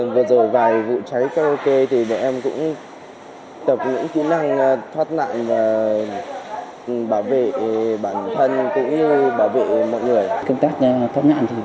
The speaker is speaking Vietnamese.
vừa rồi vài vụ cháy karaoke thì bọn em cũng tập những kỹ năng thoát nạn và bảo vệ bản thân cũng như bảo vệ mọi người